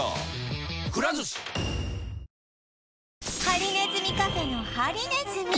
ハリネズミカフェのハリネズミ